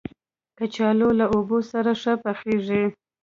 کچالو له اوبو سره ښه پخېږي